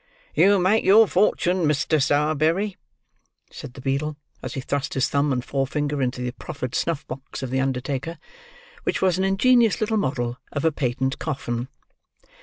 "You'll make your fortune, Mr. Sowerberry," said the beadle, as he thrust his thumb and forefinger into the proffered snuff box of the undertaker: which was an ingenious little model of a patent coffin.